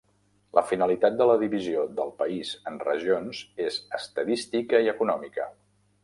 La finalitat de la divisió del país en regions és estadística i econòmica.